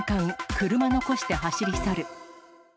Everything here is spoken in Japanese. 車残して走り去る。